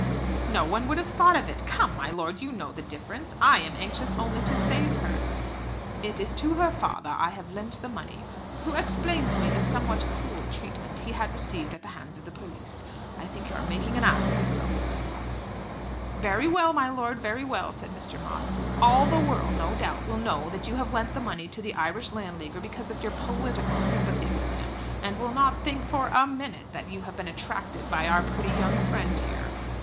"No one would have thought of it. Come, my lord, you know the difference. I am anxious only to save her." "It is to her father I have lent the money, who explained to me the somewhat cruel treatment he had received at the hands of the police. I think you are making an ass of yourself, Mr. Moss." "Very well, my lord; very well," said Mr. Moss. "All the world no doubt will know that you have lent the money to the Irish Landleaguer because of your political sympathy with him, and will not think for a minute that you have been attracted by our pretty young friend here.